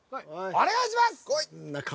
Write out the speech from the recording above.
お願いします。